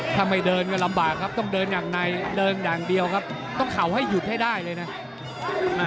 ถ้าไม่เดินก็ลำบากครับต้องเดินอย่างในเดินอย่างเดียวครับต้องเข่าให้หยุดให้ได้เลยนะ